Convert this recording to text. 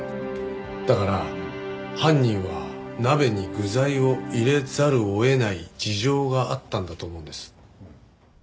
だから犯人は鍋に具材を入れざるを得ない事情があったんだと思うんです。